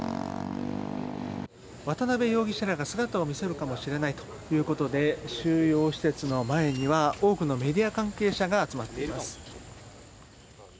渡邉容疑者らが姿を見せるかもしれないということで収容施設の前には多くのメディア関係者が集まっています。